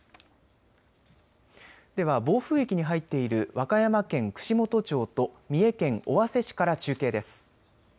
では暴風域に入っている和歌山県串本町と三重県尾鷲市から中継です。